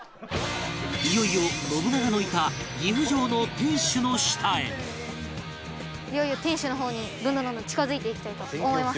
いよいよ信長のいた岐阜城のいよいよ天守の方にどんどんどんどん近付いていきたいと思います。